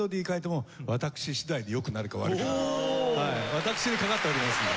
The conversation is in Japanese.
私にかかっておりますので。